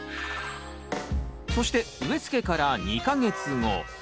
そして植え付けから２か月後。